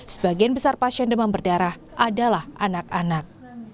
sebagian besar pasien demam berdarah adalah anak anak